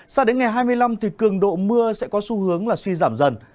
sao đến ngày hai mươi năm thì cường độ mưa sẽ có xu hướng là suy giảm dần